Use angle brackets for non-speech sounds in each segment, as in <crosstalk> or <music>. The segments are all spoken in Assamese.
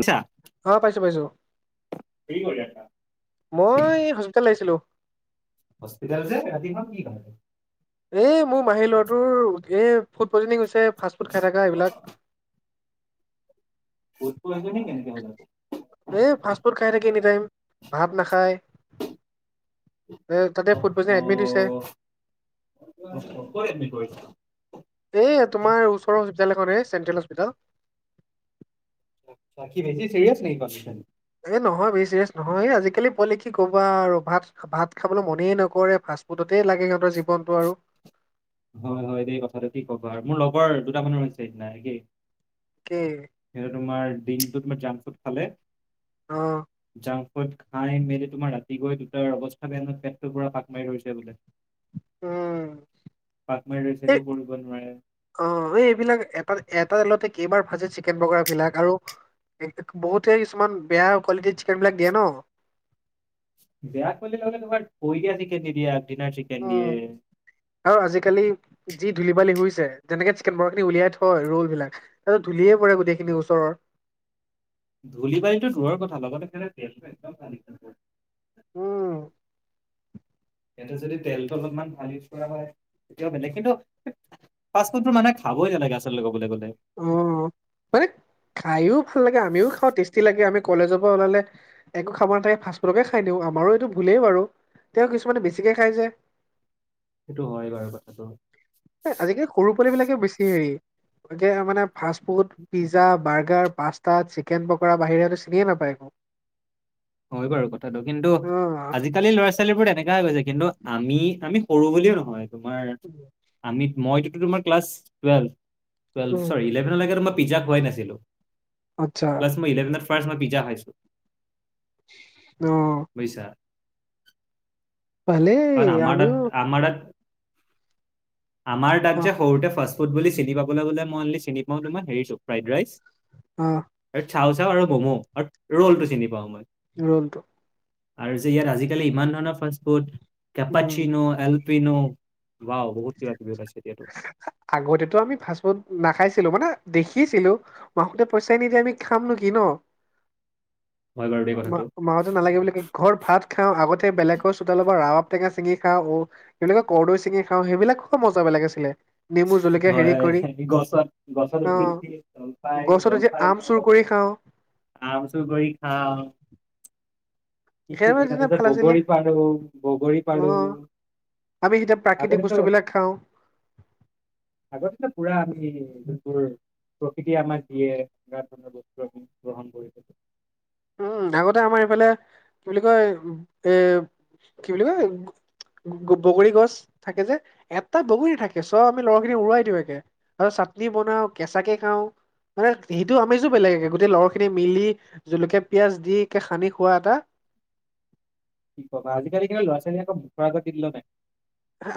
আছা। অ', পাইছোঁ পাইছোঁ। কি কৰি আছা? মই হস্পিটেল আহিছিলোঁ। হস্পিটেল যে ৰাতিপুৱা কি এই মোৰ মাহী ল'ৰাটোৰ এই ফুড পইজনিং হৈছে ফাষ্ট ফুড খাই থকা এইবিলাক ফুড প ইজনিং নে কেনেকে হ'ল এ ফাষ্ট ফুড খাই থাকে এনিটাইম ভাত নাখায়। এ তাতে ফুট প ইজনিং যে এডমিট দিছে। এই তোমাৰ ওচৰৰ হস্পিটেল এখন হে চেণ্ট্ৰেল হস্পিতেল। কি বেছি চিৰিয়ছ নেকি? এ নহয় বেছ চিৰিয়াছ নহয় এই আজিকালি পোৱালি কি ক'বা আৰু ভাত ভাত খাবলৈ মনেই নকৰে ফাষ্টফুডতে লাগে সিহঁতৰ জীৱনটো আৰু হয়, হয় এইেই কথাটো কি ক'বা আৰু মোৰ লগৰ দুটা মানুহৰ হৈছে সেইদিনা একেই কি? সেই তোমাৰ দিনটো জা‍ং ফুট খালে অ'। জাং ফুদ খাই মেলি তোমাৰ ৰাতি গৈ দুটাৰ অৱস্থা বেয়া পেটটোৰ পৰা পাক মাৰি ধৈছে বোলে উম। পাক মাৰি ধৰিছে এই একো কৰিব নোৱাৰে। অ', এই এইবিলাক এটা তেলতে কেইবাৰ ভাজে চিকেন পকৰা বিলাক আৰু বহুতে কিছুমান বেয়া কোৱালিটিৰ চিকেন বিলাক দিয়ে ন। বেয়া কোৱালিটি লগতে তোমাৰ ঠৈ দিয়া চিকেন দি দিয়ে আগিনাৰ চিকেন দিয়ে উম আৰু আজিকালি যি ধূলি বালি হৈছে যেনেকে চিকেন বৰস খিনি উলিয়াই থয় ৰোল বিলাক তাত ধূলিয়ে পৰে গোটেইখিনি ওচৰৰ ধূলি বালি তু দূৰৰ কথা লগতে <unintelligible> তেলো একদম ভাল উম। সিহঁতে যদি তেলটো অলপমান ভাল ইউজ কৰা হয় তেতিয়াও বেলেগ কিন্তু ফাষ্টফুডবোৰ মানে খাবই নালাগে আচলতে কবলৈ গ'লে। অ' হৈট খায়ো ভাল লাগে, আমিও খাওঁ টেষ্টি লাগে, আমি কলেজৰপৰা ওলালে একো খাব নাথাকে ফাষ্টফুডকে খাই দিওঁ, আমাৰো এইটো ভুলেই বাৰু, তেওঁ কিছুমানে বেছিকে খাই যে। সেইটো হয় বাৰু কথাটো। আজিকালি সৰু পোৱালিববিলাকে বেছি হেৰি এতিয়া মানে fast food pizza, burger, pasta, chicken পকৰাৰ বাহিৰে চিনিয়ে নাপায় একো। হয় বাৰু কথাটো কিন্তু অ আজিকালি ল'ৰা ছো ছোৱালীবোৰ তেনেকা হৈ গৈছে কিন্তু আমি আমি সৰু বুলিও নহয় তোমাৰ আমি মইতোতো তোমাৰ class twelve twelve um sorry eleven লৈকে তোমাৰ পিজ্জা খুৱাই নাছিলোঁ। আচ্ছা। ক্লাছ ইলেভেনত ফাছ মই পিজ্জা খাইছোঁ। অ'। বুজিছা? ভালেই কাৰণ আমাৰ তাত আমিও আমাৰ তাত আমাৰ তাত অ যে সৰুতে ফাষ্ট ফুড বুলি চিনি পাবলৈলে পাবলৈ হ'লে মই অকল চিনি পাও ফ্ৰাইড ৰাইচ। অ'। আৰু চাও চাও আৰু মমো আৰু ৰ'লটো চিনি পাওঁ মই। ৰ'লটো। আৰু যে ইয়াত আজিকালি ইমান ধৰণৰ ফাষ্ট ফুড, উম কেপাচিনো এল পিনো, ৱাও বহুত কিবা কিবি ওলাইছে এতিয়াতো। আগতেতো আমি ফাষ্টফুড নাখাইছিলো, মানে দেখিছিলো। মাহঁতে পইচা নিদিয়ে, আমি খামনো কি ন'? <inaudible> দেই অ' মা কথাটো। মাহঁতে নালাগে বুলি কয়, ঘৰত ভাত খাওঁ, আগতে বেলেগৰ চোতালৰপৰা ৰাবাব টেঙা চিঙি খাওঁ, ঔ কেতিয়াবা কৰ্দৈ চিঙি খাওঁ, সেইবিলাক খোৱা মজা বেলেগ আছিলে। নেমু, জলকীয়া হয় হেৰি কৰি, হয় গছত গছত উঠি উঠি জলফাই অ' গছত উঠি জলফাই আম চুৰ খাওঁ, কৰি খাওঁ। আম চুৰ কৰি খাওঁ। কি কি সেইবোৰ দিন তেতিয়া এটা, ভাল আছিলে বগৰী পাৰোঁ, বগৰী অ পাৰোঁ। আমি তেতিয়া প্ৰাকৃতিক বস্তুবিলাক খাওঁ। উ আগতেতো পুৰা আমি যোনবোৰ প্ৰকৃতিয় আমাক দিয়ে ধৰ বস্তু আমি গ্ৰহণ কৰিলোঁ। উম, আগতে আমাৰ এইফালে কি বুলি কয়, এ, কি বুলি কয় বগৰী গছ থাকে যে, এটা বগৰী থাকে, চব আমি লৰাখিনি উৰুৱাই দিওঁ একে। আৰু চাটনি বনাও, কেঁচাকে খাওঁ। মানে সেইটো আমেজো বেলেগে, গোটেই লগৰখিনি মিলি জলকীয়া পিয়াজ দি সানি খোৱা এটা বগা, আজিকালি ল'ৰা ছোৱালী আকৌ বুকুৰ আগত কিনি লয় নাই?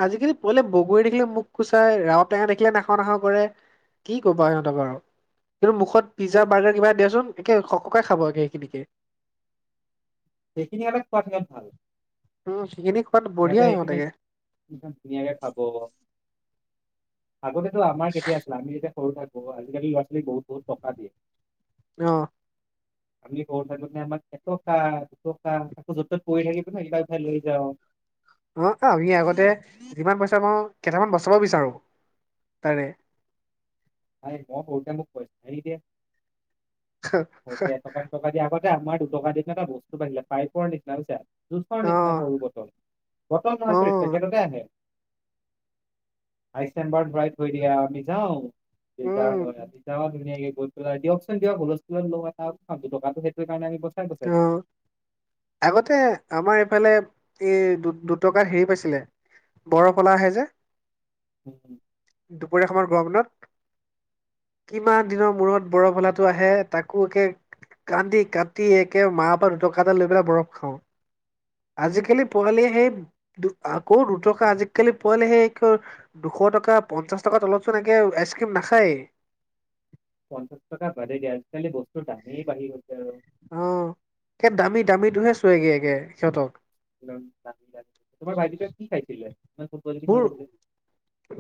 আজিকালি পোৱালি বগৰী দেখিলে মুখ কোচাই, ৰাওটেঙা দেখিলে নাখাওঁ নাখাওঁ কৰে। কি ক'বা সিহঁতক বাৰু। কিন্তু মুখত আৰু পিজ্জা, বাৰ্গাৰ কিবা দিয়াচোন একে সকে খাবগে সেইখিনিকে। <unintelligible> সেইখিনি আকৌ খোৱাত ভাল, উম সেইখিনি খোৱাত সিহঁতে বঢ়িয়া সেইখিনি সিহঁতেকে একদম ধুনীয়াকে খাব, আগতেতো আমাৰ কেতিয়া আছিলে আমি যেতিয়া সৰু থাকোঁ, আজিকালি ল'ৰা ছোৱালীক বহুত বহুত টকা দিয়ে। অ'। আমি সৰু থাকোঁতে আমাক এটকা টকা আকৌ য'ত ত'ত পৰি থাকিব সেইকেইটা উঠাই লৈ যাওঁ। অ, অ, আমি আগতে যিমান পইচা মই কেইটামান বচাব বিচাৰোঁ তাৰে। ময়ে মোক সৰুতে মোক পইচা নিদিয়ে সৰু তে এটকা দি আগতে আমাৰ দুটকা দিম এটা বস্তু পাঢ়িলে পাইপৰ নিচিনা বুজিছা। জুচৰ অ নিচিনা সৰু বটল-বটল অ নহয় চৰিত পেকেটতে আহে। আইছ চেম্বাৰত ভৰাই থৈ দিয়া আমি যাওঁ। জাৰ উম হয়জাৰ ধুনাক গৈ পেলাই দিয়কচোন দিয়ক হতটটো <unintelligible> কাৰণে আমি বছাই-বছাই, অ আগতে আমাৰ এইফালে এই দু-দুটকাত হেৰি পাইছিলে। বৰফৱালা আহে যে, উম, উম, দুপৰীয়া সময়ত গৰম দিনত। কিমান দিনৰ মূৰত বৰফ ৱালাটো আহে। তাকো একে, কান্দি কাটি একে মাহ পৰা দুটকা এটা লৈ পেলাই বৰফ খাওঁ। আজিকালি পোৱালিয়ে সেই দু আকৌ দুটকা আজিকালি পোৱালিয়ে সেই দুশ টকা, পঞ্চাছ টকাৰ তলতচোনকে আইচক্ৰীম নাখায়েই। পঞ্চাশ টকা বাদেই দিয়া আজিকালি বস্তু দামেই বাঢ়ি গৈছে আৰু। অ, সেই দামী-দামীটোহে চোয়গে সিহঁতক। তোমাৰ ভাইটিটোৱে কি খাইছিলে? মোৰ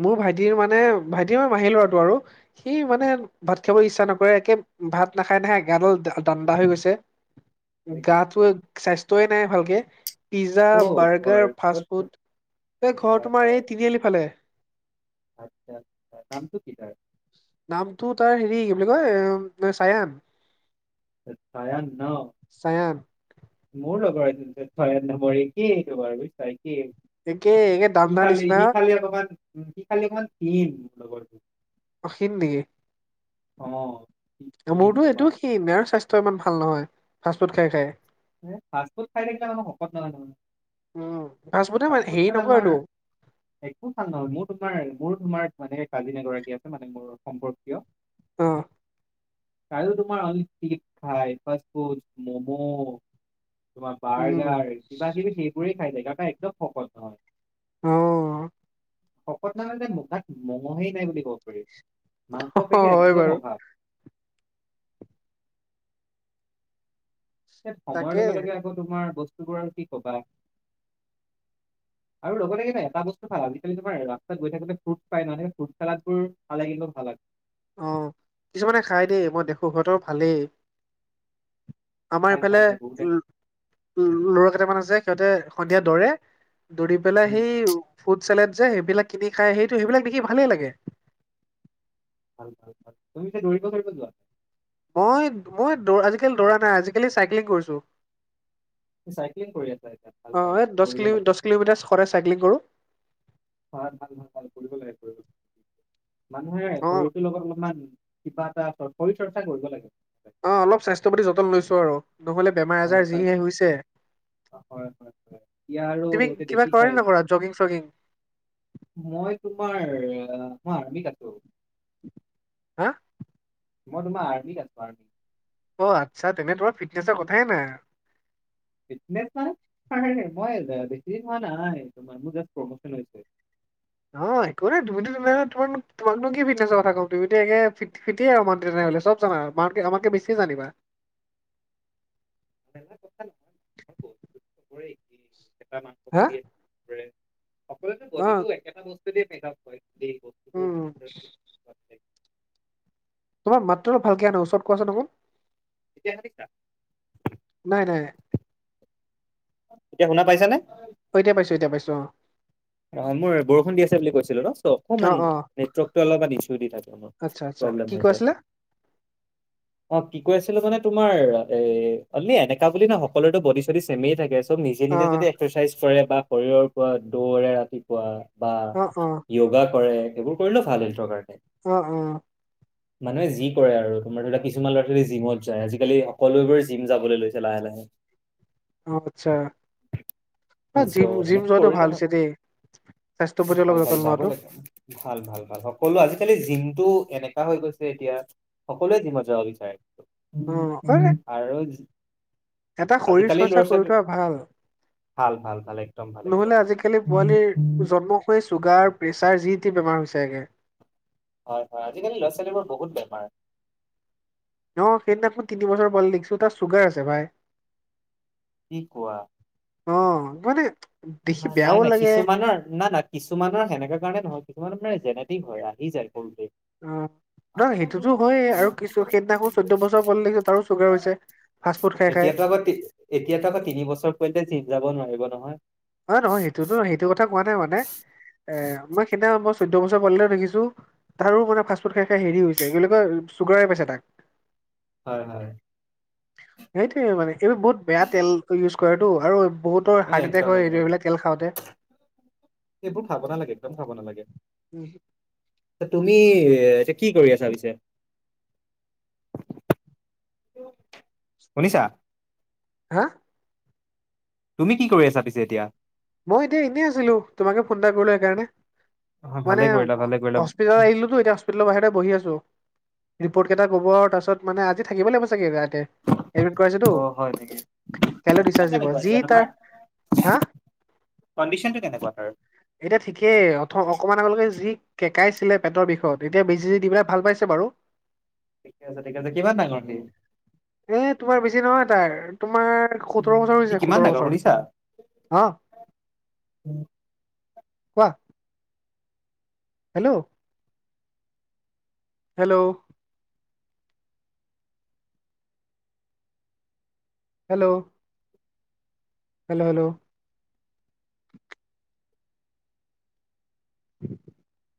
মোৰ ভাইটিৰ মানে ভাইটিৰ মোৰ মাহী ল'ৰাটো আৰু সি মানে ভাত খাবলৈ ইচ্ছা নকৰে একে ভাত নাখাই-নাখাই গা দাণ্ডা বাঢ়ি হৈ গৈছে। নেকি? গাটো স্বাস্ত্য নাই ভালকে? পিজ্জা, ক'ত ঘৰ বাৰ্গাৰ, ক'ত ক'ত ফাষ্টফুড এই ঘৰ হয় তোমাৰ হয় এই তিনিআলি ফালে। আচ্ছা, নামটো কি তাৰ? নামটো তাৰ হেৰি কি বুলি কয় চায়ান। চায়ান ন। চায়ান। মোৰ লগৰ আছিল চায়ান নাম একেই, তোমাৰ বুজিছা আকেই। একে একে সি দাণ্ডা খালি, নিচিনা সি খালি অকমান সি খালি অকমান ক্ষীণ লগৰটো। ক্ষীণ নেকি? অ', সি ক্ষীণ আমাৰতো এইটো তোমাৰ। ক্ষীণ আৰু স্বাস্থ্য ইমান ভাল নহয়, ফাষ্টফুড খাই-খাই। ফাষ্টফুড খাই থাকিলে মানুহ শকত নহয়-নহয়, মানে উম ফাষ্ট ফুডে মানে ফাষ্টফুড হেৰি খালে আমাৰ নকৰেতো একো ভাল নহয় মোৰ তোমাৰ মোৰো তোমাৰ মানে কাজিন এগৰাকী আছে, মানে মোৰ সম্পৰ্কীয়। উম, তাইও তোমাৰ আনলিমিটেড খায়। Fast food, momo. তোমাৰ উম বাৰ্গাৰ কিবা কিবি সেইবোৰে খাই থাকে তাৰমানে একদম শকত নহয়। অ', শকত নহয় যে মুখত মাংহেই নাই বুলি ক'ব পাৰি, মাংস পেশী হয় একদম বাৰু অভাৱ। এ সময়ৰ তাকে লগে-লগে আকৌ তোমাৰ বস্তুবোৰ আৰু কি কবা? আৰু লগতে কি জানে এটা বস্তু ভাল আজিকালি তোমাৰ ৰাস্তাত গৈ থাকোঁতে ফ্ৰুট পাই মানে ফ্ৰুট চালাত বোৰ খালে কিন্তু ভাল লাগে। অ, কিছুমানে খাই দেই মই দেখোঁ সিহঁতৰ ভালেই। আমাৰ খাই খাই ইফালে খাই বহুতে খাই। লৰা কেইটামান আছে সিহঁতে সন্ধিয়া দৌৰে। দৌৰি পেলাই উম, সেই ফুড চালড যে সেইবিলাক কিনি খাই, সেইটো সেইবিলাক দেখি ভালেই লাগে। ভাল-ভাল-ভাল তুমি যে দৌৰি-চৌৰিব যোৱা। মই-মই, দৌ আজিকালি দৌৰা নাই, আজিকালি চাইক্লিং কৰিছোঁ। অ, চাইক্লিং কৰি আছা এতিয়া ভাল ভাল এই দছ কৰিব কিলো লাগে। দছ কিলোমিটাৰ সদায় চাইক্লিং কৰোঁ। ভাল-ভাল-ভাল-ভাল কৰিব লাগে, কৰিব লাগে। মানুহে অ', শৰীৰটোৰ লগত অলপমান কিবা এটা শৰীৰ চৰ্চা কৰিব লাগে। অ, অলপ স্বাস্থ্য প্ৰতিত যতন লৈছোঁ আৰু নহলে বেমাৰ হয় আজাৰ হয় যিহে হৈছে। হয় হয় হয় এতিয়া আৰু তুমি এতিয়া কিবা কৰে দেখিছাই নে নকৰা জগিং চগিং মই তোমাৰ মই আৰ্মিত আছোঁ। হা। মই তোমাৰ আৰ্মিত আছোঁ আৰ্মিত। অ', আচ্ছা তেনে তোমাৰ ফিটনেছৰ কথা নাই‌ আৰু। <unintelligible> ফিটনেছ মানে কৰে মই বেছি হোৱা নাই মোৰ প্ৰমোচন হৈছে। অ', একো নাই তুমিতো তোমাক তোমাক নো কি ফিটনেছ ৰ কথা ক'ম তুমিতো ফিটে আৰু মানে তেনেহ'লে ছব <unintelligible> আৰু। আমাতকে আমাতকে বেছি জানিবা। প <unintelligible> এটা মাংস সকলো হা? বডিটো অ' একেটা বস্তু সেইটো দিয়ে মেকাআপ <unintelligible> উম। তোমাৰ মাতটো অলপ ভালকে নাহে ওচৰত কোৱাচোন আকৌ তেতিয়া নাই, নাই। এতিয়া শুনা পাইছা নে? এতিয়া পাইছোঁ, এতিয়া পাইছোঁ অ'। অ', মোৰ বৰষুণ দি আছে বুলি কৈছিলোঁ ন চ' অকমান অ' অ' নেটৱৰ্ক টো অলপমান ইছু দি থাকে মোৰ। আচ্ছা, আচ্ছা প্ৰব্লেম কি হৈ কৈ আছিলা। <unintelligible> অ', কি কৈ আছিলোঁ মানে তোমাৰ ওনলি এনেকা বুলি ন সকলোতো বডি চডি চেমে থাকে। ত' নিজে, নিজে অ' যদি এক্সাৰচাইজ কৰে বা শৰীৰৰ পৰা দৌৰে ৰাতিপুৱা বা অ' অ' য়োগা কৰে এইবোৰ কৰিলেও ভাল হয় নিজৰ কাৰণে অ', অ'। <unintelligible> মানুহে যি কৰে আৰু তোমাৰ ধৰা কিছুমানে ল'ৰা ছোৱালী জিমত যায় আজিকালি সকলোবোৰেই জিম যাবলৈ লৈছে লাহে, লাহে। <unintelligible> আচ্ছা চ' জিম, জিম সেনেকে যোৱাটো কৰিলে ভাল হয়। হৈছে দেই। স্বাস্থ্যৰ প্ৰতি ভাল অলপ ভাল যতন যাব লোৱাটো। লাগে ভাল, ভাল ভাল সকলো আজিকালি জিমটো এনেককা হৈ গৈছে এতিয়া সকলোৱে জিমত যাব বিচাৰে অ' হয় আৰু। এটা শৰীৰ আজিকালি চৰ্চা ল'ৰা কৰি ছোৱালী থোৱা ভাল ভাল ভাল ভাল একদম ভাল একদম নহ'লে ভাল আজিকালি পোৱালিৰ জন্ম হৈ চুগাৰ প্ৰেচাৰ যি টি বেমাৰ হৈছে আগে হয়, হয় আজিকালি ল'ৰা ছোৱালীৰ বহুত বেমাৰ। অ', সেইদিনা মই তিনি বছৰ পোৱালি দেখিছোঁ তাৰ চুগাৰ আছে ভাই। কি কোৱা? অ', মানে দেখি নাই, বেয়াও নাই লাগে কিছুমানৰ নাই, নাই কিছুমানৰ সেনেকা কাৰণে নহয় কিছুমানৰ মানে জেনেটিক হয় আহি যায় সৰুতে অ', নহ সেইটোতো হয় আৰু কিছু সেইদিনাখনো চৈধ্যয় বছৰ পোৱালিগে তাৰো চুগাৰ হৈছে। ফাষ্ট ফুড খাই খাই এতিয়াতো আকৌতি এতিয়াতো আকৌ তিন বছৰ পতে জিম যাব নোৱাৰিব নহয়। হয়, নহয় সেইটোতো সেইটো কথা কোৱা নাই মানে এ মই সেইদিনা মই চৈধ্য বছৰ পোৱালি এটাক দেখিছোঁ তাৰো মানে ফাষ্টফুড খাই, খাই হেৰি হৈছে কি চুগাৰে পাইছে তাক। হয়, হয়। সেইটোয়ে মানে এইবোৰ বহুত বেয়া তেল ইউজ কৰাটো আৰু বহুত ত' হাৰ্ট একদম এটেক হয় এই একদম এইবিলাক তেল খাওঁতে। এইবোৰ খাব নালাগে একদম খাব নালাগে। তুমি এতিয়া কি কৰি আছা পিছে? শুনিছা। হা। তুমি কি কৰি আছা পিছে এতিয়া? মই এতিয়া এনেই আছিলোঁ, তোমাকে ফোন এটা কৰিলোঁ সেইকাৰণে। অ মানে ভালে কৰিলা ভালে কৰিলা হস্পিতাল আহিলোতো এতিয়া সস্পিটেলৰ বাহিৰতে বহি আছোঁ, ৰিপৰ্টকেইটা ক'ব আৰু তাৰপছত মানে আজি থাকিব লাগিব চাগে তাতে। এডমিট কৰাইছেতো অ হয় নেকি কাইলে কণ্ডিচন টিচাৰ দিব, কেনেকুৱা যি এতিয়া তাৰ তোমাৰ হা? কণ্ডিচনটো কেনেকুৱা তাৰ? এতিয়া ঠিকেই, অথ-অকমান আগলৈকে যি কেকাইছিলে পেটৰ বিষয়ত, এতিয়া বেজী দি পেলাই ভাল পাইছে বাৰু। ঠিকে আছে, ঠিক আছে। কিমান ডাঙৰ সি? এ, তোমাৰ বেছি নহয় তাৰ, তোমাৰ সোতৰ বছৰ সি হৈছে, কিমান সোতৰ ডাঙৰ বছৰ। শুনিছা অ'। কোৱা? Hello. Hello. Hello. Hello, hello. <inaudible>